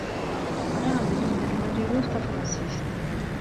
Bɣiɣ ad lemden warraw-iw tafṛansist.